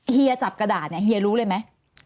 เฮียจับกระดาษเนี่ยเฮียรู้เลยไหม